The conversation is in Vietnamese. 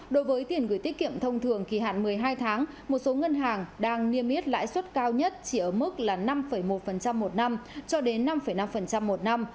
đối với tiền gửi tiết kiệm thông thường kỳ hạn một mươi hai tháng một số ngân hàng đang niêm yết lãi suất cao nhất chỉ ở mức là năm một một năm cho đến năm năm một năm